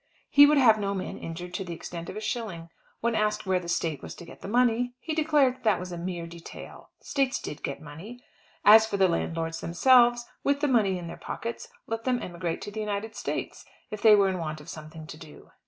He would have no man injured to the extent of a shilling. When asked where the State was to get the money, he declared that that was a mere detail. States did get money. As for the landlords themselves, with the money in their pockets, let them emigrate to the United States, if they were in want of something to do.